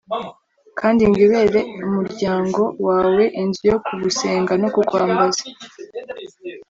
kandi ngo ibere umuryango wawe inzu yo kugusenga no kukwambaza